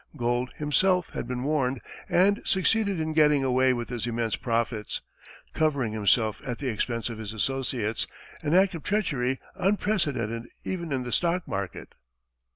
Gould, himself, had been warned and succeeded in getting away with his immense profits, covering himself at the expense of his associates, an act of treachery unprecedented even in the stock market.